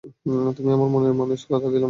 তুমিই আমার মনের মানুষ, কতা দিলাম তোরে।।